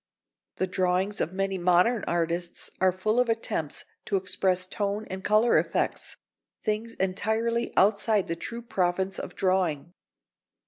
The drawings of many modern artists are full of attempts to express tone and colour effects, things entirely outside the true province of drawing.